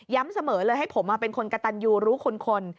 เสมอเลยให้ผมเป็นคนกระตันยูรู้คน